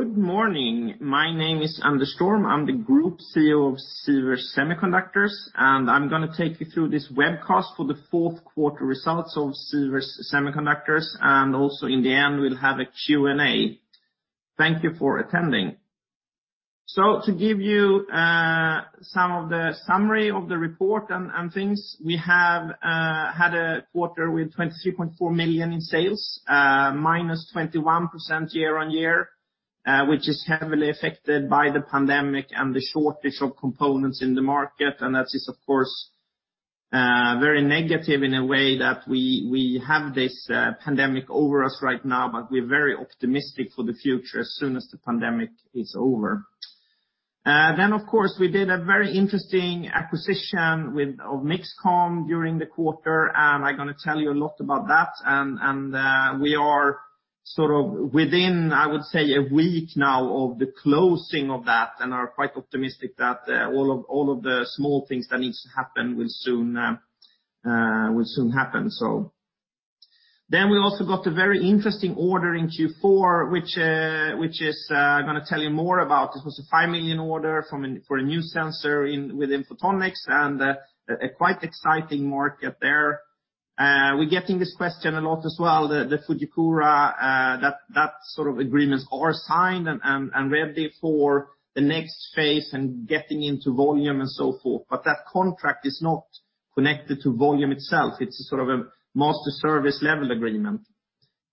Good morning. My name is Anders Storm. I'm the Group CEO of Sivers Semiconductors, and I'm gonna take you through this webcast for the fourth quarter results of Sivers Semiconductors, and also in the end, we'll have a Q&A. Thank you for attending. To give you some of the summary of the report and things, we have had a quarter with 23.4 million in sales, -21% year-over-year, which is heavily affected by the pandemic and the shortage of components in the market. That is, of course, very negative in a way that we have this pandemic over us right now, but we're very optimistic for the future as soon as the pandemic is over. Of course, we did a very interesting acquisition of MixComm during the quarter, and I'm gonna tell you a lot about that. We are sort of within, I would say, a week now of the closing of that and are quite optimistic that all of the small things that needs to happen will soon happen. We also got a very interesting order in Q4 which is I'm gonna tell you more about. This was a 5 million order for a new sensor within Photonics and a quite exciting market there. We're getting this question a lot as well, the Fujikura that sort of agreements are signed and ready for the next phase and getting into volume and so forth. That contract is not connected to volume itself. It's sort of a master service level agreement.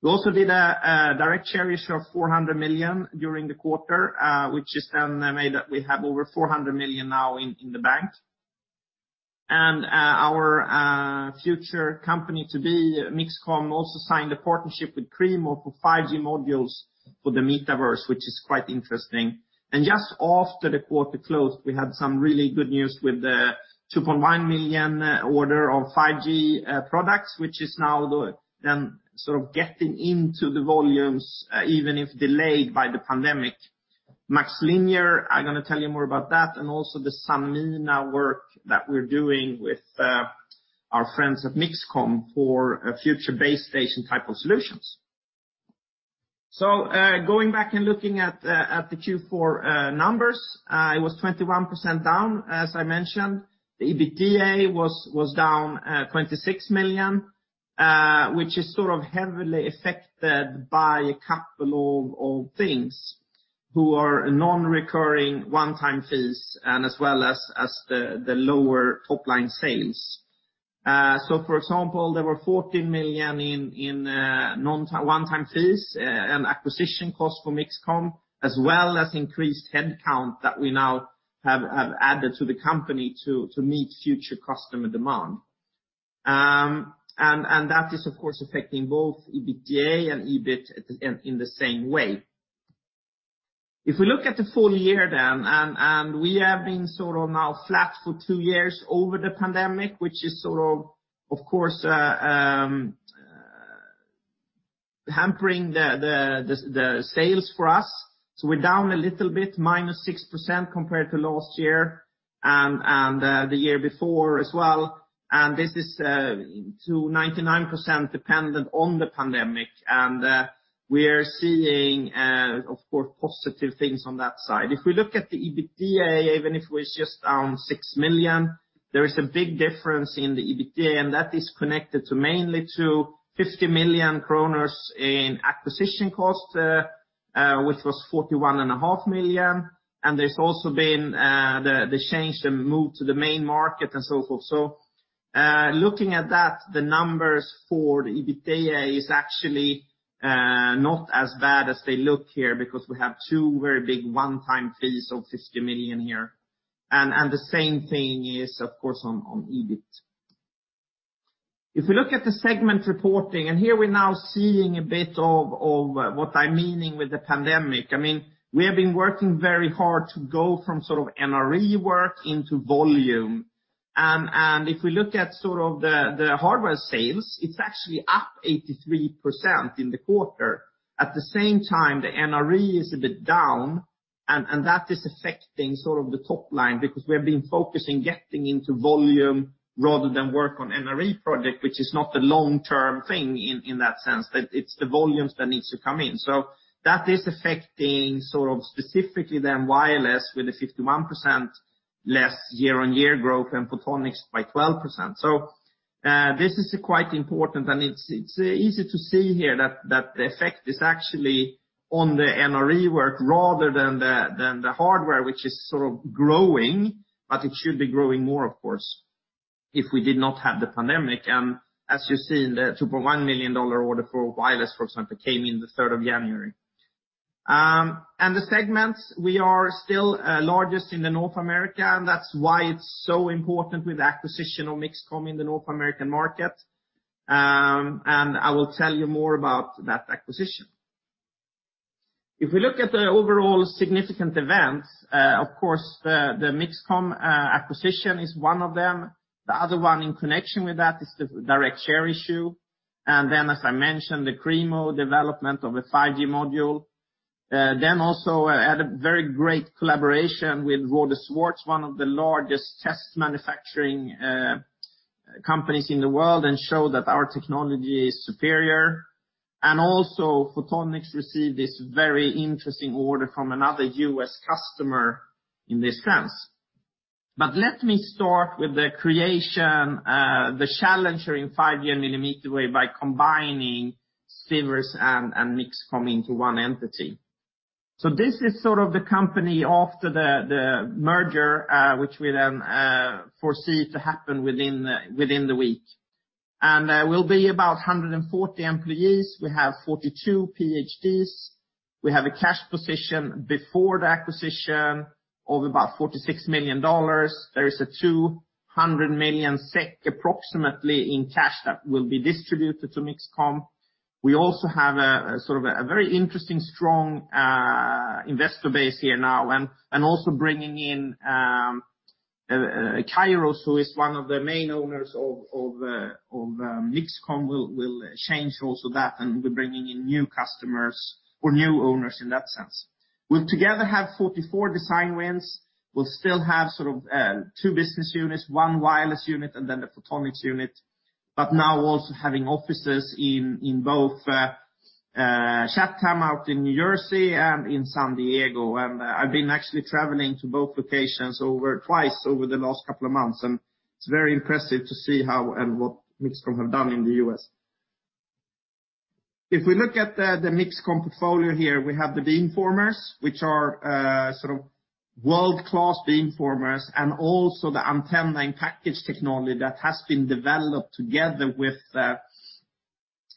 We also did a direct share issue of 400 million during the quarter, which has then made that we have over 400 million now in the bank. Our future company to be, MixComm, also signed a partnership with Kreemo for 5G modules for the metaverse, which is quite interesting. Just after the quarter closed, we had some really good news with the $2.1 million order of 5G products, which is now sort of getting into the volumes, even if delayed by the pandemic. MaxLinear, I'm gonna tell you more about that, and also the Sanmina work that we're doing with our friends at MixComm for a future base station type of solutions. Going back and looking at the Q4 numbers, it was 21% down, as I mentioned. The EBITDA was down 26 million, which is sort of heavily affected by a couple of things who are non-recurring one-time fees as well as the lower top-line sales. For example, there were 14 million in one-time fees and acquisition costs for MixComm, as well as increased headcount that we now have added to the company to meet future customer demand. That is, of course, affecting both EBITDA and EBIT in the same way. If we look at the full year then, and we have been sort of now flat for two years over the pandemic, which is sort of course, hampering the sales for us. We're down a little bit, -6% compared to last year and the year before as well. This is 99% dependent on the pandemic. We are seeing, of course, positive things on that side. If we look at the EBITDA, even if it was just down 6 million, there is a big difference in the EBITDA, and that is connected mainly to 50 million kronor in acquisition cost, which was 41.5 million. There's also been the change, the move to the main market and so forth. Looking at that, the numbers for the EBITDA is actually not as bad as they look here because we have two very big one-time fees of 50 million here. The same thing is, of course, on EBIT. If we look at the segment reporting, here we're now seeing a bit of what I'm meaning with the pandemic. I mean, we have been working very hard to go from sort of NRE work into volume. If we look at sort of the hardware sales, it's actually up 83% in the quarter. At the same time, the NRE is a bit down, that is affecting sort of the top line because we have been focusing getting into volume rather than work on NRE project, which is not a long-term thing in that sense. That it's the volumes that needs to come in. That is affecting sort of specifically then wireless with a 51% less year-over-year growth and photonics by 12%. This is quite important, and it's easy to see here that the effect is actually on the NRE work rather than the hardware, which is sort of growing, but it should be growing more, of course, if we did not have the pandemic. As you see in the $2.1 million order for wireless, for example, came in the 3rd of January. The segments, we are still largest in North America, and that's why it's so important with the acquisition of MixComm in the North American market. I will tell you more about that acquisition. If we look at the overall significant events, of course, the MixComm acquisition is one of them. The other one in connection with that is the directed share issue. As I mentioned, the Kreemo development of a 5G module. Then also a very great collaboration with Rohde & Schwarz, one of the largest test equipment manufacturing companies in the world, and shows that our technology is superior. Sivers Photonics received this very interesting order from another U.S. customer in this sense. Let me start with the creation of the challenger in 5G millimeter wave by combining Sivers and MixComm into one entity. This is sort of the company after the merger, which we then foresee to happen within the week. There will be about 140 employees. We have 42 PhDs. We have a cash position before the acquisition of about $46 million. There is approximately 200 million SEK in cash that will be distributed to MixComm. We also have a very interesting strong investor base here now. Also bringing in Kairos, who is one of the main owners of MixComm will change also that, and we're bringing in new customers or new owners in that sense. We'll together have 44 design wins. We'll still have sort of two business units, one wireless unit, and then the photonics unit. Now also having offices in both Chatham out in New Jersey and in San Diego. I've been actually traveling to both locations more than twice over the last couple of months, and it's very impressive to see how and what MixComm have done in the U.S. If we look at the MixComm portfolio here, we have the beamformers, which are sort of world-class beamformers, and also the antenna-in-package technology that has been developed together with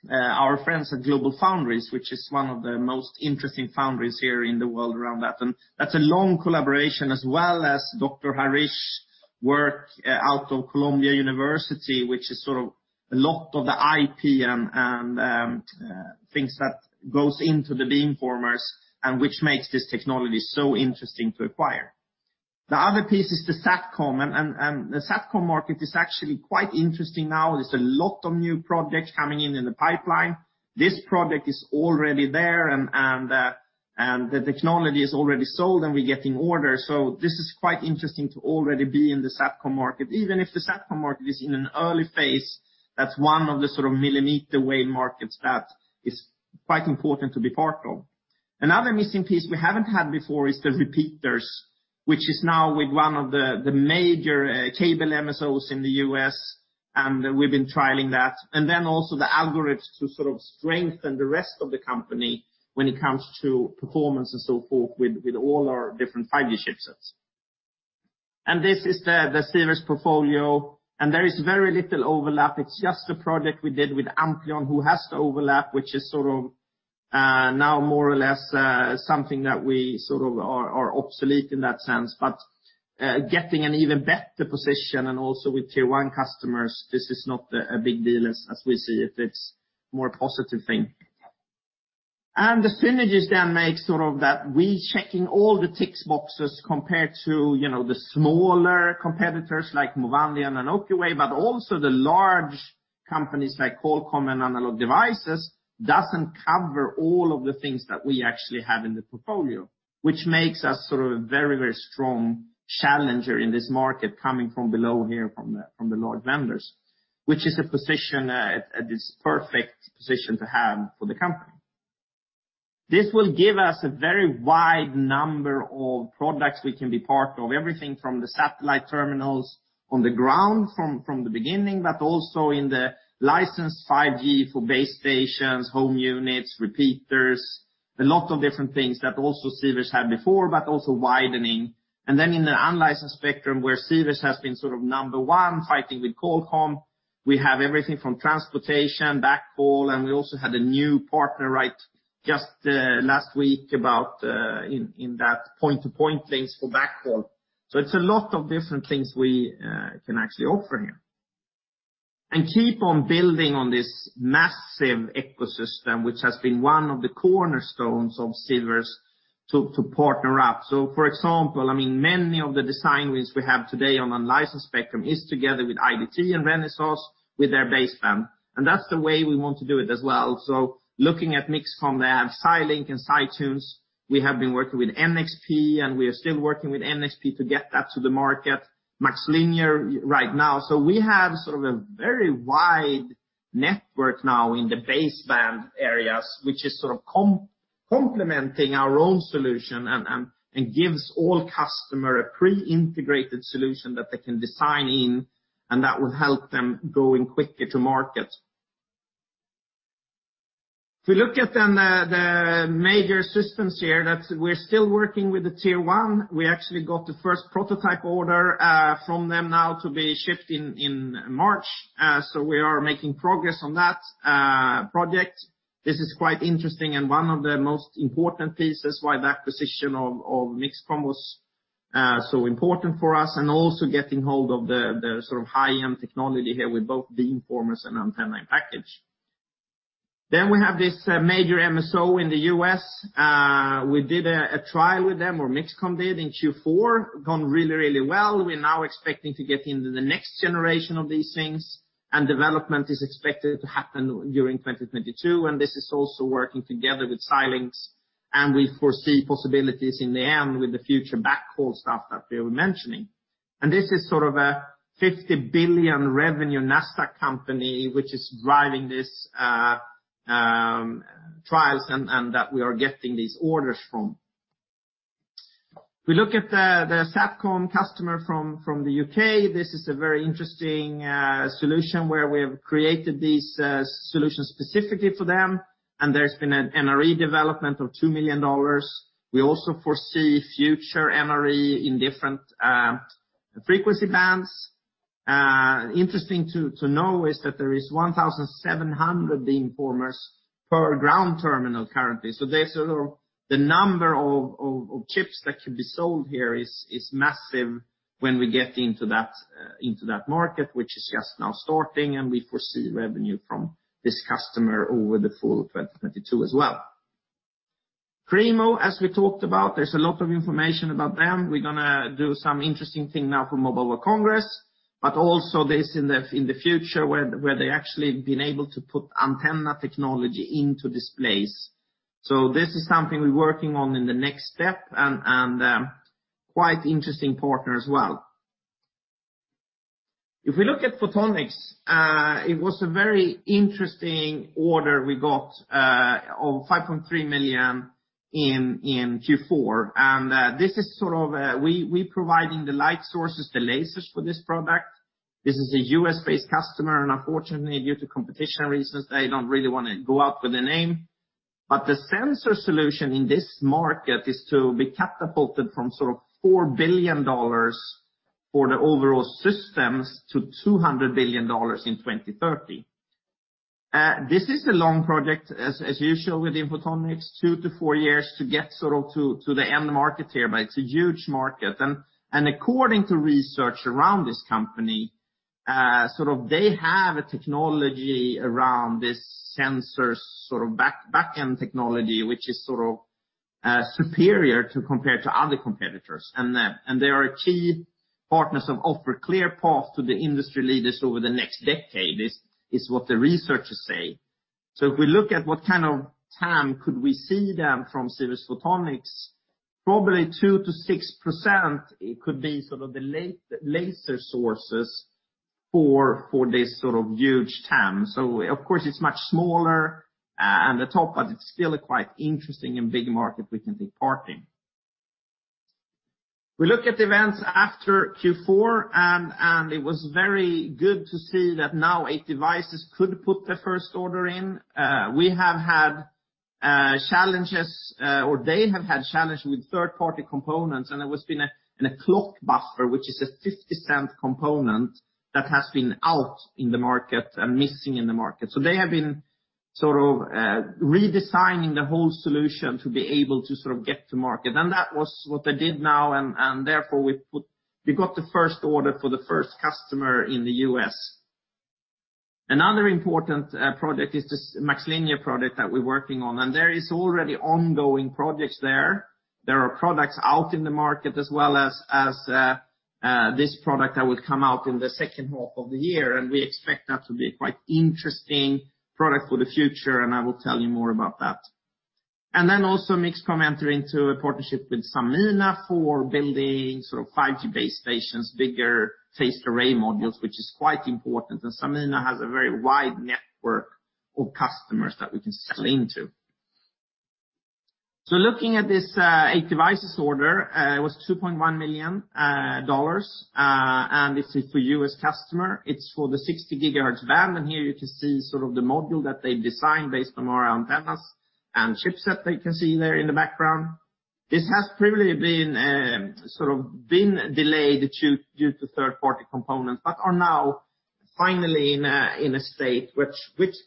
our friends at GlobalFoundries, which is one of the most interesting foundries here in the world around that. That's a long collaboration, as well as Dr. Harish's work out of Columbia University, which is sort of a lot of the IP and things that go into the beamformers and which makes this technology so interesting to acquire. The other piece is the Satcom. The Satcom market is actually quite interesting now. There's a lot of new projects coming in in the pipeline. This project is already there and the technology is already sold, and we're getting orders. This is quite interesting to already be in the Satcom market. Even if the Satcom market is in an early phase, that's one of the sort of millimeter wave markets that is quite important to be part of. Another missing piece we haven't had before is the repeaters, which is now with one of the major cable MSOs in the U.S., and we've been trialing that. Also the algorithms to sort of strengthen the rest of the company when it comes to performance and so forth with all our different 5G chipsets. This is the Sivers portfolio, and there is very little overlap. It's just a project we did with Ampleon who has the overlap, which is sort of now more or less something that we sort of are obsolete in that sense. Getting an even better position and also with tier one customers, this is not a big deal as we see it. It's more a positive thing. The synergies then make sort of that rechecking all the tick boxes compared to, you know, the smaller competitors like Movandi and Yokowo, but also the large companies like Qualcomm and Analog Devices doesn't cover all of the things that we actually have in the portfolio, which makes us sort of a very, very strong challenger in this market coming from below here from the large vendors, which is a position, this perfect position to have for the company. This will give us a very wide number of products we can be part of. Everything from the satellite terminals on the ground from the beginning, but also in the licensed 5G for base stations, home units, repeaters. A lot of different things that also Sivers had before, but also widening. Then in the unlicensed spectrum, where Sivers has been sort of number one, fighting with Qualcomm, we have everything from transportation, backhaul, and we also had a new partner, right, just last week about in that point-to-point links for backhaul. It's a lot of different things we can actually offer here. Keep on building on this massive ecosystem, which has been one of the cornerstones of Sivers to partner up. For example, I mean, many of the design wins we have today on unlicensed spectrum is together with IDT and Renesas with their baseband. That's the way we want to do it as well. Looking at MixComm there, SiLink and SiTunes, we have been working with NXP, and we are still working with NXP to get that to the market. MaxLinear right now. We have sort of a very wide network now in the baseband areas, which is sort of complementing our own solution and gives all customers a pre-integrated solution that they can design in, and that will help them going quicker to market. If we look at then the major systems here that we're still working with the Tier 1. We actually got the first prototype order from them now to be shipped in March. We are making progress on that project. This is quite interesting and one of the most important pieces why the acquisition of MixComm was so important for us and also getting hold of the sort of high-end technology here with both beamformers and antenna in package. We have this major MSO in the U.S. We did a trial with them, or MixComm did in Q4 gone really well. We're now expecting to get into the next generation of these things, and development is expected to happen during 2022, and this is also working together with Xilinx. We foresee possibilities in the end with the future backhaul stuff that we were mentioning. This is sort of a $50 billion revenue NASDAQ company which is driving these trials and that we are getting these orders from. If we look at the Satcom customer from the U.K., this is a very interesting solution where we have created these solutions specifically for them. There's been an NRE development of $2 million. We also foresee future NRE in different frequency bands. Interesting to know is that there is 1,700 beamformers per ground terminal currently. So there's sort of the number of chips that could be sold here is massive when we get into that market, which is just now starting, and we foresee revenue from this customer over the full 2022 as well. Kreemo, as we talked about, there's a lot of information about them. We're gonna do some interesting thing now for Mobile World Congress, but also this in the future where they actually have been able to put antenna technology into displays. This is something we're working on in the next step and quite interesting partner as well. If we look at Photonics, it was a very interesting order we got of 5.3 million in Q4. This is sort of we providing the light sources, the lasers for this product. This is a U.S.-based customer, and unfortunately, due to competition reasons, I don't really wanna go out with a name. The sensor solution in this market is to be catapulted from sort of $4 billion for the overall systems to $200 billion in 2030. This is a long project, as usual with Sivers Photonics, two to four years to get sort of to the end market here, but it's a huge market. According to research around this company, sort of they have a technology around this sensor sort of back-end technology, which is sort of superior to compare to other competitors. They are a key partners have offered clear path to the industry leaders over the next decade. This is what the researchers say. If we look at what kind of TAM could we see then from Sivers Photonics, probably 2%-6% could be sort of the laser sources for this sort of huge TAM. Of course, it's much smaller at the top, but it's still a quite interesting and big market we can take part in. If we look at events after Q4, it was very good to see that now 8devices could put the first order in. We have had challenges, or they have had challenges with third-party components, and it has been a clock buffer, which is a $0.50 component that has been out in the market and missing in the market. So they have been sort of redesigning the whole solution to be able to sort of get to market. That was what they did now, and therefore we got the first order for the first customer in the U.S. Another important project is this MaxLinear project that we're working on, and there is already ongoing projects there. There are products out in the market as well as this product that will come out in the second half of the year, and we expect that to be quite interesting product for the future, and I will tell you more about that. Then also MixComm enter into a partnership with Sanmina for building sort of 5G base stations, bigger phased array modules, which is quite important. Sanmina has a very wide network of customers that we can sell into. Looking at this 8devices order, it was $2.1 million, and this is for U.S. customer. It's for the 60 GHz band, and here you can see sort of the module that they designed based on our antennas and chipset that you can see there in the background. This has previously been sort of been delayed due to third-party components, but are now finally in a state which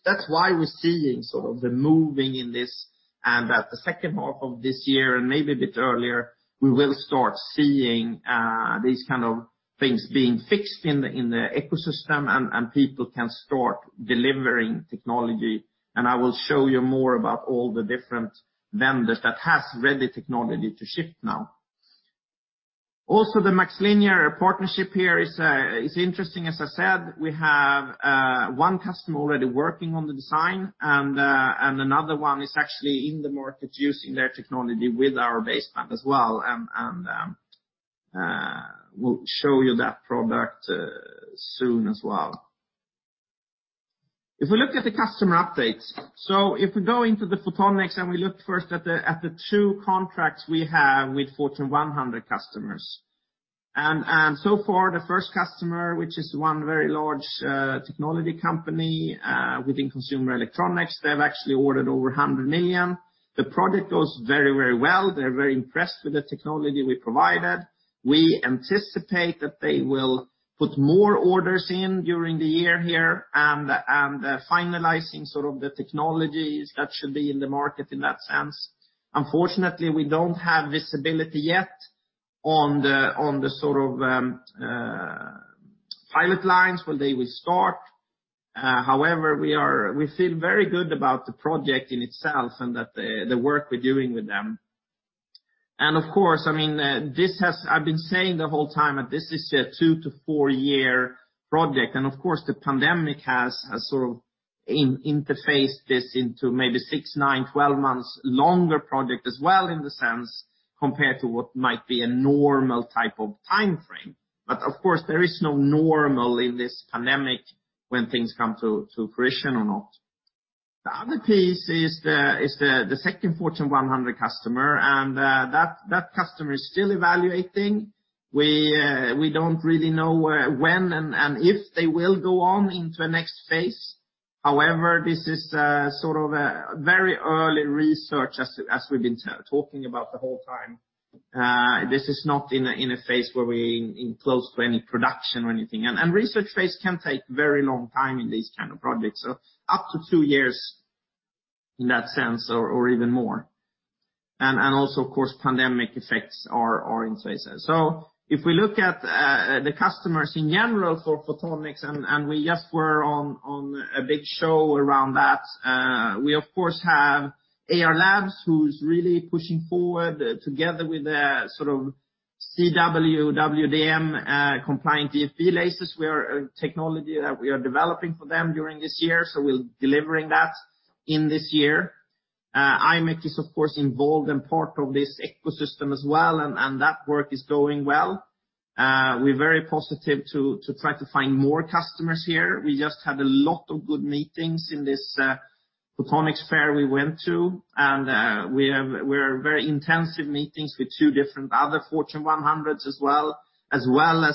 that's why we're seeing sort of the moving in this and that the second half of this year and maybe a bit earlier, we will start seeing these kind of things being fixed in the ecosystem and people can start delivering technology. I will show you more about all the different vendors that has ready technology to ship now. Also, the MaxLinear partnership here is interesting. As I said, we have one customer already working on the design and another one is actually in the market using their technology with our baseband as well. We'll show you that product soon as well. If we look at the customer updates, if we go into the Photonics and we look first at the two contracts we have with Fortune 100 customers, and so far the first customer, which is one very large technology company within consumer electronics, they've actually ordered over 100 million. The project goes very, very well. They're very impressed with the technology we provided. We anticipate that they will put more orders in during the year here and finalizing sort of the technologies that should be in the market in that sense. Unfortunately, we don't have visibility yet on the sort of pilot lines when they will start. However, we feel very good about the project in itself and that the work we're doing with them. Of course, I mean, I've been saying the whole time that this is a two to four-year project. Of course, the pandemic has sort of interfered this into maybe six, nine, 12 months longer project as well in the sense compared to what might be a normal type of timeframe. Of course, there is no normal in this pandemic when things come to fruition or not. The other piece is the second Fortune 100 customer, and that customer is still evaluating. We don't really know when and if they will go on into a next phase. However, this is sort of a very early research as we've been talking about the whole time. This is not in a phase where we're close to any production or anything. Research phase can take very long time in these kind of projects. Up to two years in that sense or even more. Also of course, pandemic effects are in places. If we look at the customers in general for photonics, and we just were on a big show around that, we of course have Ayar Labs who's really pushing forward together with the sort of CW, WDM compliant DFB lasers, our technology that we are developing for them during this year. We're delivering that in this year. imec is of course involved and part of this ecosystem as well, and that work is going well. We're very positive to try to find more customers here. We just had a lot of good meetings in this photonics fair we went to, and we have very intensive meetings with two different other Fortune 100s as well as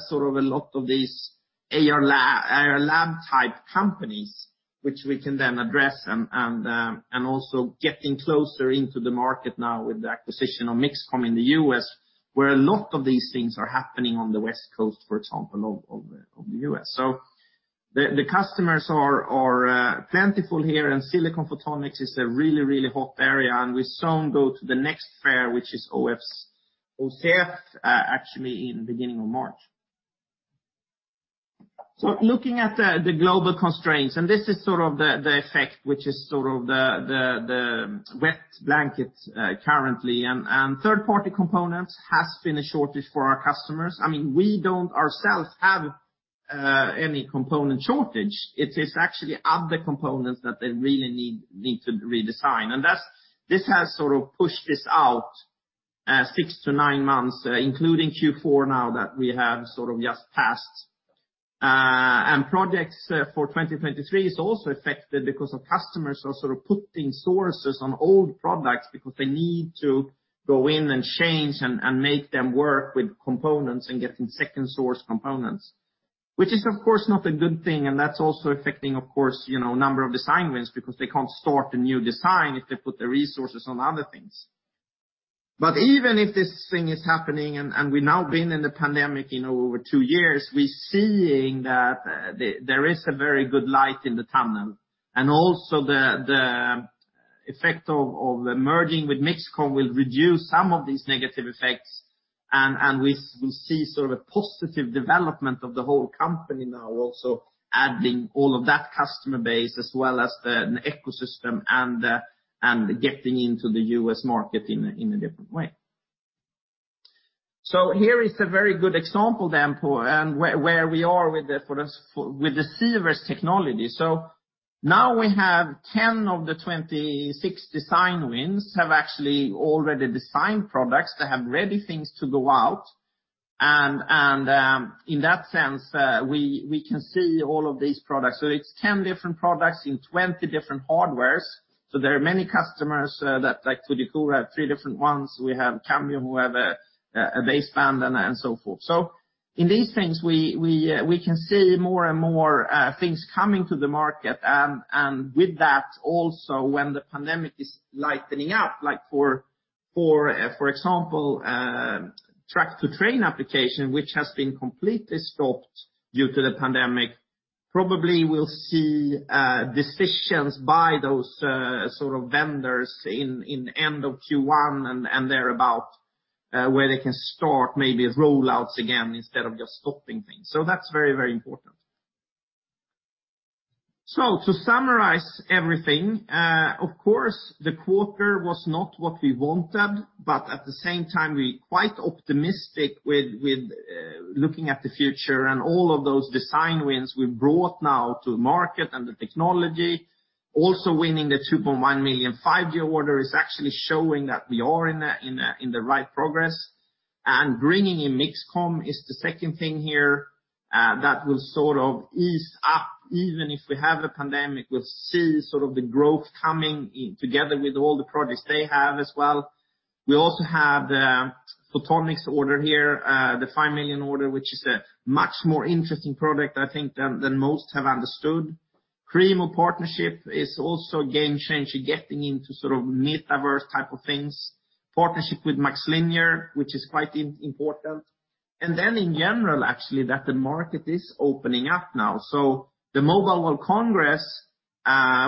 sort of a lot of these AR lab type companies, which we can then address and also getting closer into the market now with the acquisition of MixComm in the U.S., where a lot of these things are happening on the West Coast, for example, of the U.S. The customers are plentiful here, and Silicon Photonics is a really hot area, and we soon go to the next fair, which is OFC, actually in the beginning of March. Looking at the global constraints, this is sort of the effect which is sort of the wet blanket currently. There has been a shortage of third-party components for our customers. I mean, we don't ourselves have any component shortage. It is actually other components that they really need to redesign. This has sort of pushed this out six to nine months, including Q4 now that we have sort of just passed. Projects for 2023 are also affected because customers are sort of putting resources on old products because they need to go in and change and make them work with components and getting second source components. Which is of course not a good thing, and that's also affecting, of course, you know, number of design wins because they can't start a new design if they put the resources on other things. Even if this thing is happening, we've now been in the pandemic, you know, over two years. We're seeing that there is a very good light in the tunnel. Also the effect of merging with MixComm will reduce some of these negative effects and we will see sort of a positive development of the whole company now also adding all of that customer base as well as the ecosystem and getting into the U.S. market in a different way. Here is a very good example then for where we are with the Sivers technology. Now we have 10 of the 26 design wins have actually already designed products. They have ready things to go out. In that sense, we can see all of these products. It's 10 different products in 20 different hardwares. There are many customers that like Todico have three different ones. We have Cambium who have a baseband and so forth. In these things we can see more and more things coming to the market. With that also when the pandemic is lightening up, like for example, track-to-train application, which has been completely stopped due to the pandemic, probably we'll see decisions by those sort of vendors in end of Q1 and thereabout, where they can start maybe rollouts again instead of just stopping things. That's very important. To summarize everything, of course, the quarter was not what we wanted, but at the same time, we're quite optimistic with looking at the future and all of those design wins we've brought now to market and the technology. Winning the $2.1 million five-year order is actually showing that we are in the right progress. Bringing in MixComm is the second thing here that will sort of ease up even if we have a pandemic. We'll see sort of the growth coming together with all the projects they have as well. We also have the photonics order here, the $5 million order, which is a much more interesting product, I think, than most have understood. Kreemo partnership is also a game changer, getting into sort of metaverse type of things. Partnership with MaxLinear, which is quite important. Then in general, actually, that the market is opening up now. The Mobile World Congress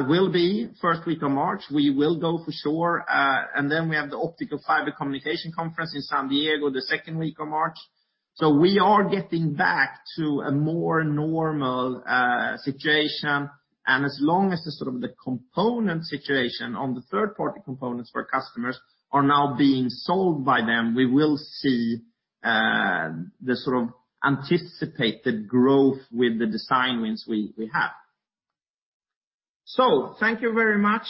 will be first week of March. We will go for sure. We have the Optical Fiber Communication Conference in San Diego the second week of March. We are getting back to a more normal situation. As long as the sort of the component situation on the third-party components for customers are now being sold by them, we will see the sort of anticipated growth with the design wins we have. Thank you very much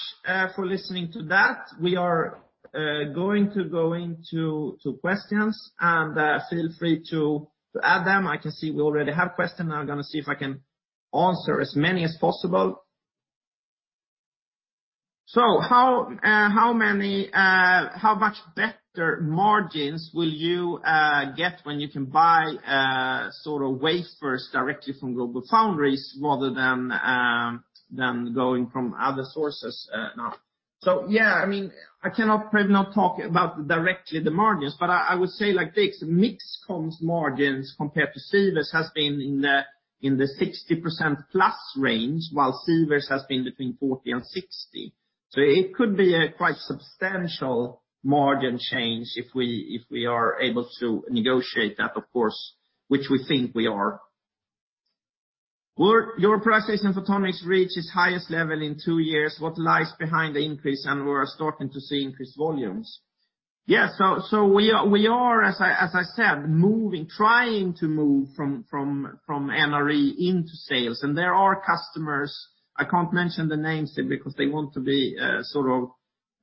for listening to that. We are going to go into questions, and feel free to add them. I can see we already have questions. I'm gonna see if I can answer as many as possible. How much better margins will you get when you can buy sort of wafers directly from GlobalFoundries rather than going from other sources now? Yeah, I mean, I cannot probably not talk about directly the margins, but I would say like this, MixComm's margins compared to Sivers has been in the 60%+ range, while Sivers has been between 40% and 60%. It could be a quite substantial margin change if we are able to negotiate that, of course, which we think we are. Will your Sivers photonics reach its highest level in two years? What lies behind the increase? We are starting to see increased volumes. Yeah, we are, as I said, trying to move from NRE into sales. There are customers, I can't mention the names because they want to be sort of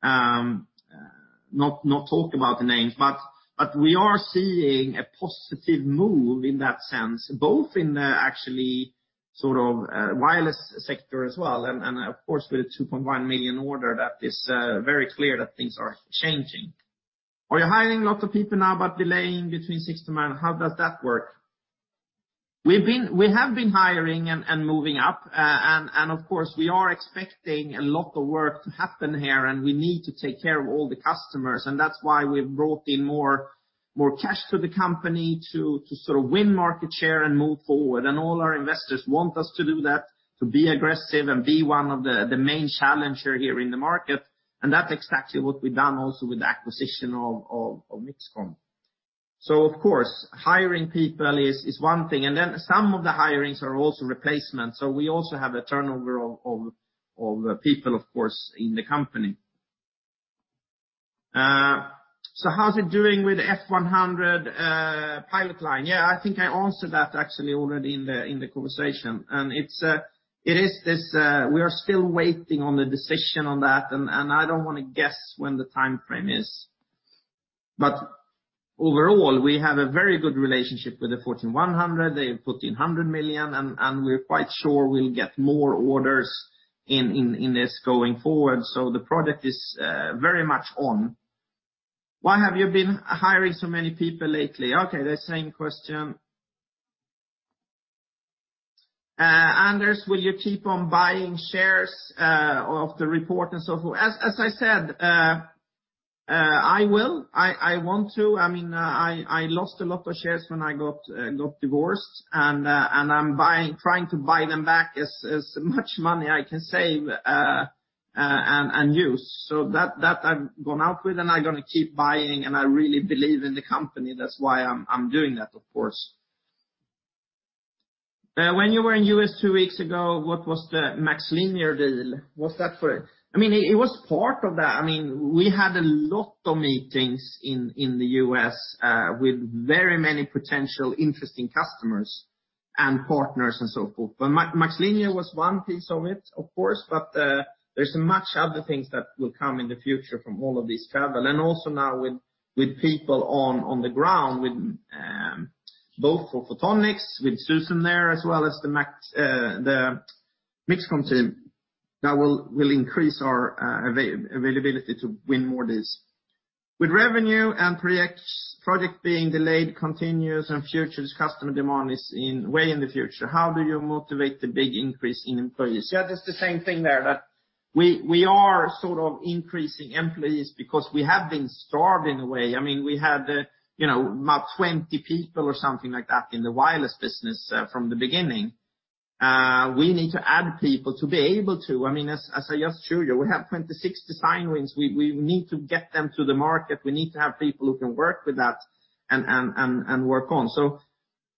not talk about the names. We are seeing a positive move in that sense, both in the actually sort of wireless sector as well, and of course, with the $2.1 million order that is very clear that things are changing. Are you hiring lots of people now, but delaying between six to nine? How does that work? We've been hiring and moving up. Of course, we are expecting a lot of work to happen here, and we need to take care of all the customers. That's why we've brought in more cash to the company to sort of win market share and move forward. All our investors want us to do that, to be aggressive and be one of the main challenger here in the market. That's exactly what we've done also with the acquisition of MixComm. Of course, hiring people is one thing. Then some of the hirings are also replacements. We also have a turnover of people, of course, in the company. How's it doing with Fortune 100 pilot line? I think I answered that actually already in the conversation. It is this, we are still waiting on the decision on that, and I don't wanna guess when the timeframe is. Overall, we have a very good relationship with the Fortune 100. They put in 100 million, and we're quite sure we'll get more orders in this going forward. The product is very much on. Why have you been hiring so many people lately? Okay, the same question. Anders, will you keep on buying shares of the report and so forth? As I said, I will. I want to. I mean, I lost a lot of shares when I got divorced, and I'm buying, trying to buy them back as much money I can save, and use. That I've gone out with, and I'm gonna keep buying, and I really believe in the company. That's why I'm doing that, of course. When you were in U.S. two weeks ago, what was the MaxLinear deal? What's that for? I mean, it was part of that. I mean, we had a lot of meetings in the U.S. with very many potential interesting customers and partners and so forth. MaxLinear was one piece of it, of course, but there's many other things that will come in the future from all of this travel. Also now with people on the ground with both for Photonics, with Susan Shea there, as well as the MixComm team, that will increase our availability to win more deals. With revenue and projects being delayed, continuing and future customer demand is way in the future. How do you motivate the big increase in employees? Yeah, that's the same thing there, that we are sort of increasing employees because we have been starved in a way. I mean, we had, you know, about 20 people or something like that in the wireless business from the beginning. We need to add people to be able to. I mean, as I just showed you, we have 26 design wins. We need to get them to the market. We need to have people who can work with that and work on.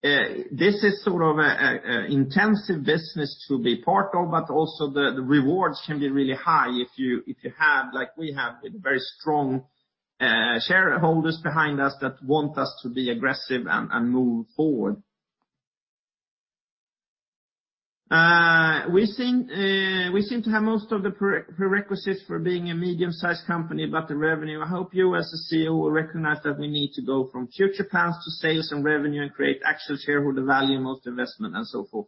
This is sort of a intensive business to be part of, but also the rewards can be really high if you have, like we have, very strong shareholders behind us that want us to be aggressive and move forward. We seem to have most of the prerequisites for being a medium-sized company, but the revenue, I hope you as the CEO will recognize that we need to go from future paths to sales and revenue and create actual shareholder value, most investment and so forth.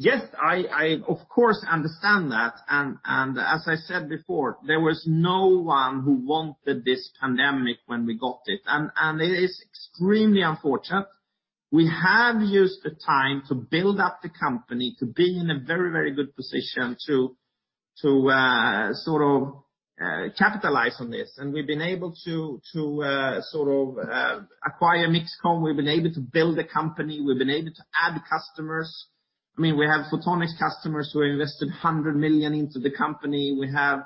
Yes, I of course understand that. As I said before, there was no one who wanted this pandemic when we got it. It is extremely unfortunate. We have used the time to build up the company to be in a very, very good position to sort of capitalize on this. We've been able to sort of acquire MixComm. We've been able to build a company. We've been able to add customers. I mean, we have Photonics customers who invested 100 million into the company. We have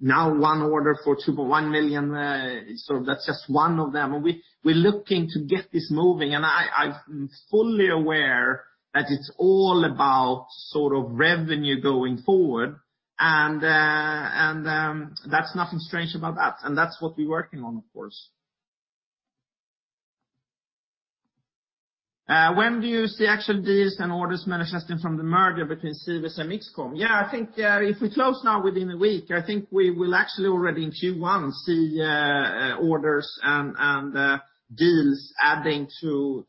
now one order for $2.1 million, so that's just one of them. We're looking to get this moving, and I'm fully aware that it's all about sort of revenue going forward, and that's nothing strange about that. That's what we're working on, of course. When do you see actual deals and orders manifesting from the merger between Sivers and MixComm? I think if we close now within one week, I think we will actually already in Q1 see orders and deals adding to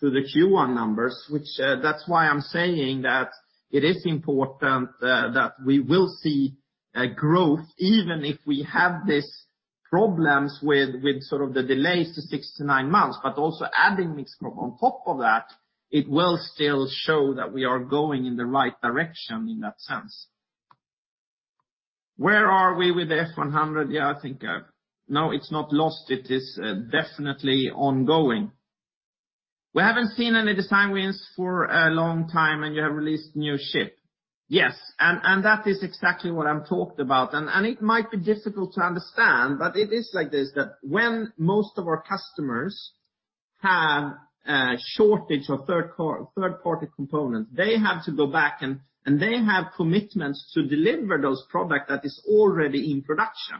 the Q1 numbers, which that's why I'm saying that it is important that we will see a growth even if we have these problems with sort of the delays to six to nine months. Also adding MixComm on top of that, it will still show that we are going in the right direction in that sense. Where are we with the Fortune 100? No, it's not lost. It is definitely ongoing. We haven't seen any design wins for a long time, and you have released new chip. Yes. That is exactly what I've talked about. It might be difficult to understand, but it is like this, that when most of our customers have a shortage of third-party components, they have to go back, they have commitments to deliver those products that are already in production.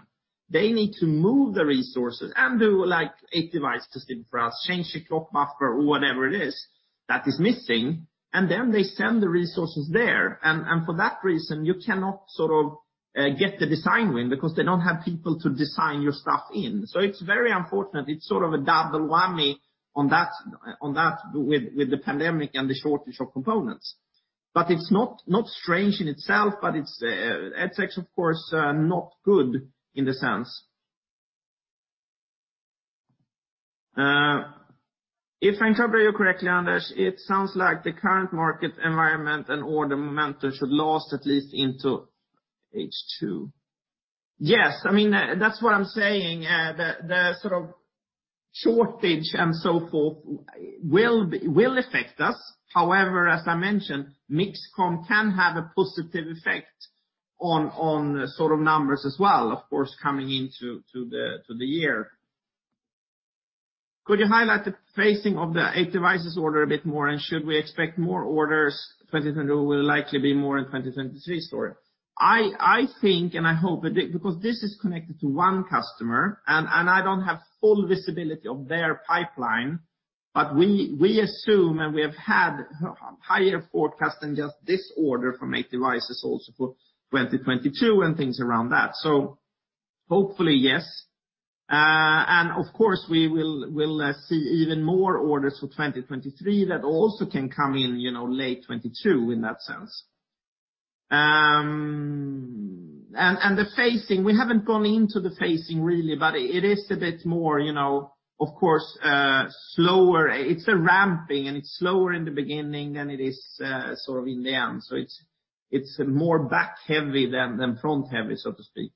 They need to move the resources and do, like, 8devices system for us, change the clock buffer or whatever it is that is missing, and then they send the resources there. For that reason, you cannot sort of get the design win because they don't have people to design your stuff in. It's very unfortunate. It's sort of a double whammy on that with the pandemic and the shortage of components. It's not strange in itself, but it's of course not good in the sense. If I interpret you correctly, Anders, it sounds like the current market environment and order momentum should last at least into H2. Yes. I mean, that's what I'm saying. The sort of shortage and so forth will affect us. However, as I mentioned, MixComm can have a positive effect on sort of numbers as well, of course, coming into the year. Could you highlight the phasing of the 8devices order a bit more, and should we expect more orders? 2022 will likely be more in 2023 so. I think, and I hope because this is connected to one customer and I don't have full visibility of their pipeline, but we assume, and we have had higher forecast than just this order from 8devices also for 2022 and things around that. So hopefully, yes. Of course, we will see even more orders for 2023 that also can come in, you know, late 2022 in that sense. The phasing, we haven't gone into the phasing really, but it is a bit more, you know, of course, slower. It's a ramping, and it's slower in the beginning than it is sort of in the end. So it's more back-heavy than front-heavy, so to speak.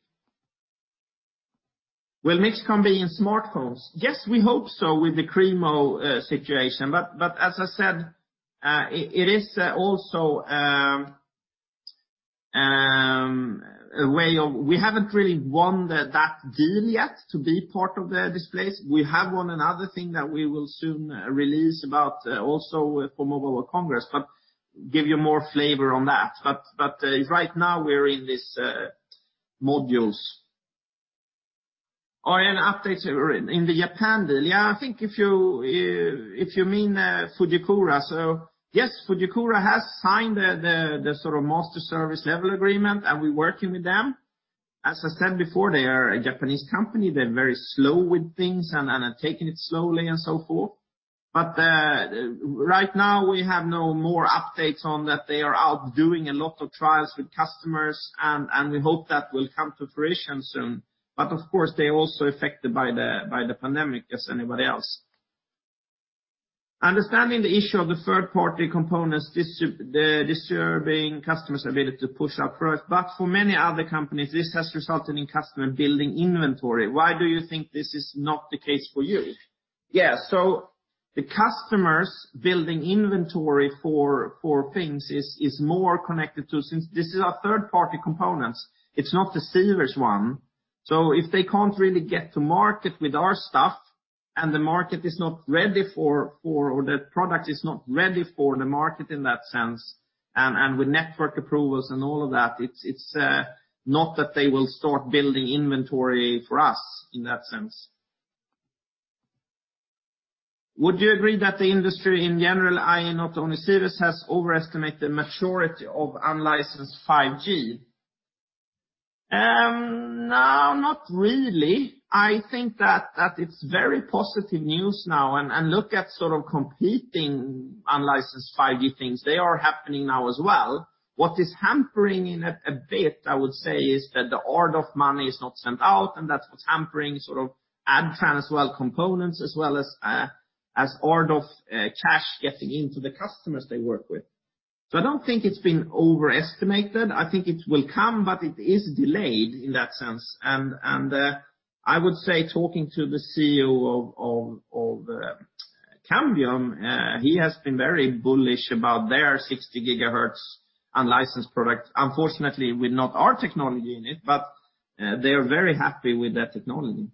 Will MixComm be in smartphones? Yes, we hope so with the Kreemo situation. As I said, it is also. We haven't really won that deal yet to be part of the displays. We have won another thing that we will soon release about also for Mobile Congress, but give you more flavor on that. Right now we're in this modules. Or an update in the Japan deal. Yeah, I think if you mean Fujikura. So yes, Fujikura has signed the sort of master service level agreement, and we're working with them. As I said before, they are a Japanese company. They're very slow with things and are taking it slowly and so forth. Right now we have no more updates on that. They are out doing a lot of trials with customers and we hope that will come to fruition soon. Of course, they are also affected by the pandemic as anybody else. Understanding the issue of the third-party components disturbing customers' ability to push out first. For many other companies, this has resulted in customers building inventory. Why do you think this is not the case for you? Yeah. The customers building inventory for things is more connected to since this is our third-party components. It's not the Sivers one. If they can't really get to market with our stuff and the market is not ready for or the product is not ready for the market in that sense, with network approvals and all of that, it's not that they will start building inventory for us in that sense. Would you agree that the industry in general, i.e., not only Sivers, has overestimated maturity of unlicensed 5G? No, not really. I think that it's very positive news now and look at sort of competing unlicensed 5G things. They are happening now as well. What is hampering a bit, I would say, is that the shortage of money is not sorted out, and that's what's hampering sort of Adtran as well as components, as well as shortage of cash getting into the customers they work with. I don't think it's been overestimated. I think it will come, but it is delayed in that sense. I would say, talking to the CEO of Cambium, he has been very bullish about their 60 GHz unlicensed product. Unfortunately, without our technology in it, but they are very happy with that technology.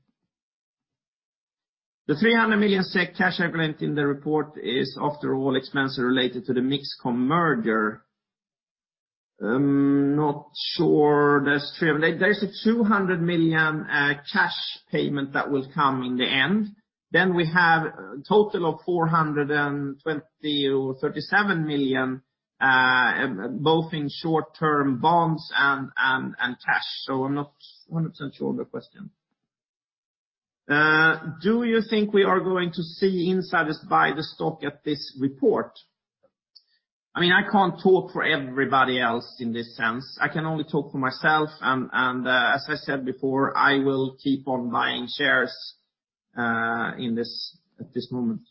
The 300 million SEK cash equivalent in the report is after all expenses related to the MixComm merger. I'm not sure that's true. There is a 200 million cash payment that will come in the end. Then we have a total of 420 million or 437 million, both in short-term bonds and cash. So I'm not 100% sure of the question. Do you think we are going to see insiders buy the stock at this report? I mean, I can't talk for everybody else in this sense. I can only talk for myself. As I said before, I will keep on buying shares at this moment.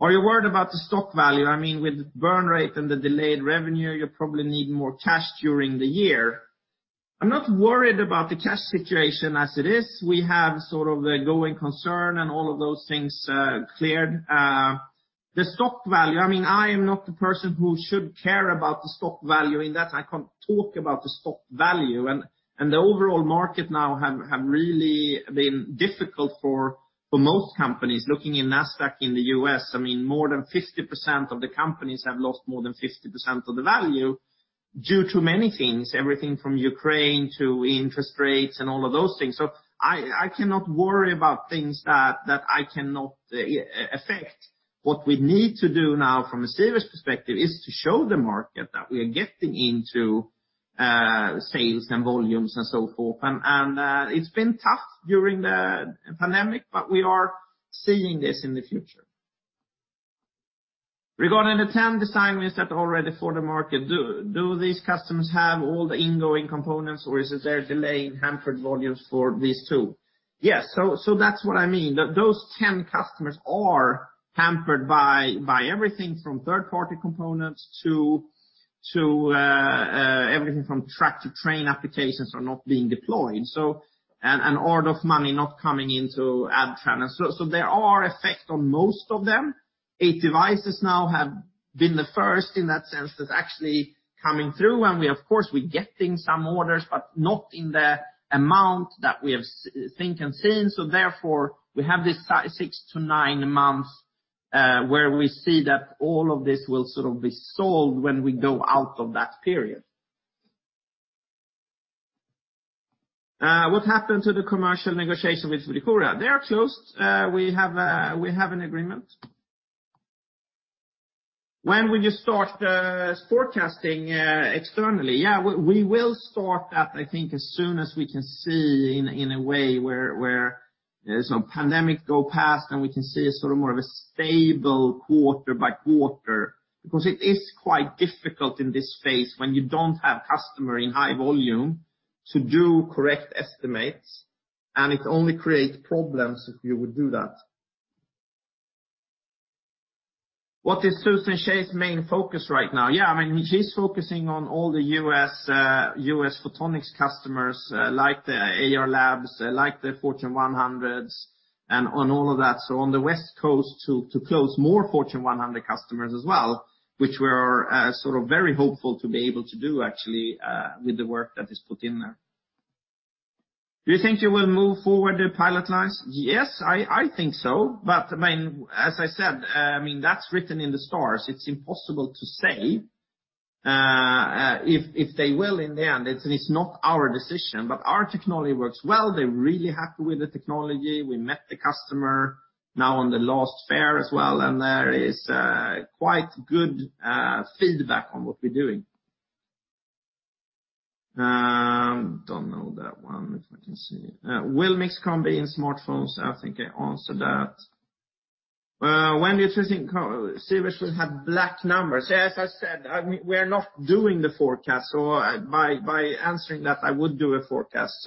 Are you worried about the stock value? I mean, with burn rate and the delayed revenue, you probably need more cash during the year. I'm not worried about the cash situation as it is. We have sort of a going concern and all of those things cleared. The stock value, I mean, I am not the person who should care about the stock value in that I can't talk about the stock value. The overall market now have really been difficult for most companies. Looking in NASDAQ in the U.S., I mean, more than 50% of the companies have lost more than 50% of the value due to many things, everything from Ukraine to interest rates and all of those things. I cannot worry about things that I cannot affect. What we need to do now from a serious perspective is to show the market that we are getting into sales and volumes and so forth. It's been tough during the pandemic, but we are seeing this in the future. Regarding the 10 customers that are ready for the market, do these customers have all the ongoing components or is there a delay in hampered volumes for these too? Yes. That's what I mean. Those 10 customers are hampered by everything from third-party components to track-to-train applications are not being deployed. An order of money not coming into antenna. There are effects on most of them. 8devices now have been the first in that sense that's actually coming through. We of course, we're getting some orders, but not in the amount that we have thought and seen. We have this six to nine months where we see that all of this will sort of be sold when we go out of that period. What happened to the commercial negotiation with Fujikura? They are closed. We have an agreement. When will you start forecasting externally? Yeah. We will start that, I think as soon as we can see in a way where there's no pandemic go past, and we can see sort of more of a stable quarter by quarter. Because it is quite difficult in this phase when you don't have customer in high volume to do correct estimates, and it only create problems if you would do that. What is Susan Shea's main focus right now? Yeah. I mean, she's focusing on all the Sivers Photonics customers, like the Ayar Labs, like the Fortune 100, and on all of that. On the West Coast to close more Fortune 100 customers as well, which we're sort of very hopeful to be able to do actually, with the work that is put in there. Do you think you will move forward the pilot lines? Yes, I think so. I mean, as I said, I mean, that's written in the stars. It's impossible to say if they will in the end. It's not our decision. Our technology works well. They're really happy with the technology. We met the customer now on the last fair as well, and there is quite good feedback on what we're doing. Don't know that one, if I can see. Will MixComm be in smartphones? I think I answered that. When do you think Sivers will have black numbers? As I said, I mean, we're not doing the forecast, so by answering that, I would do a forecast.